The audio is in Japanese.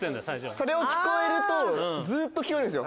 それ聞こえるとずっと聞こえるんですよ。